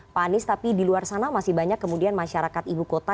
pak anies tapi di luar sana masih banyak kemudian masyarakat ibu kota